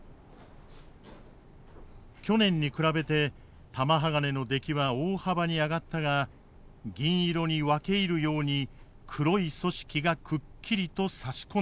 去年に比べて玉鋼の出来は大幅に上がったが銀色に分け入るように黒い組織がくっきりと差し込んでいた。